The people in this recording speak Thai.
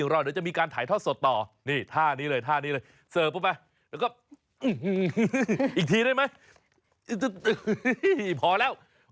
ก็ติดทั่วไทยติดตามในตลอดข่าวสุดสัปดาห์